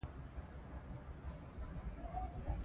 استاد بینوا د تاریخ په لیکلو کې ځانګړی مهارت درلود